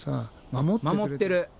守ってる！